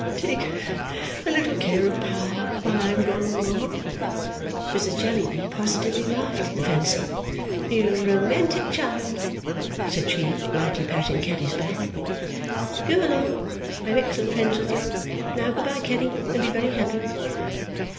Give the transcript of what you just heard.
"Take a little care of Pa while I am gone, Mama!" Mrs. Jellyby positively laughed at the fancy. "You romantic child," said she, lightly patting Caddy's back. "Go along. I am excellent friends with you. Now, good bye, Caddy, and be very happy!"